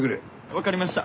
分かりました。